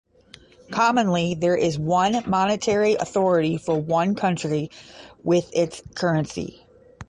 Commonly, there is one monetary authority for one country with its currency.